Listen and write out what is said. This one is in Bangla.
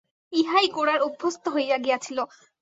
ইহাই গোরার অভ্যস্ত হইয়া গিয়াছিল।